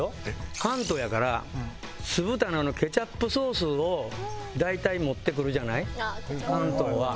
関東やから酢豚のあのケチャップソースを大体持ってくるじゃない関東は。